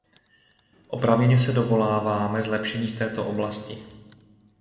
Oprávněně se dovoláváme zlepšení v této oblasti.